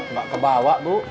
mbak kebawa bu